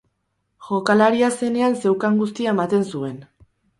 Jokalaria zenean zeukan guztia ematen zuen.